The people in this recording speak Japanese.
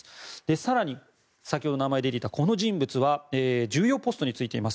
更に、先ほど名前が出ていたこの人物は重要ポストに就いています。